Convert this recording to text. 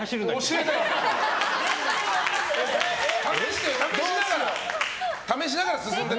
教えない！